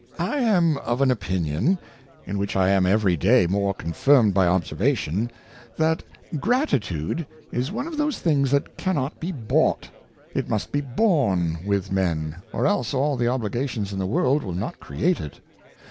I am of an Opinion, in which I am every Day more confirmed by Observation, that Gratitude is one of those things that cannot be bought. It must be born with Men, or else all the Obligations in the World will not create it.